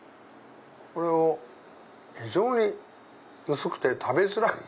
これを非常に薄くて食べづらい。